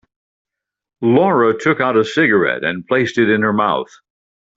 Laura took out a cigarette and placed it in her mouth.